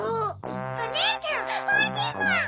おねえちゃんばいきんまん！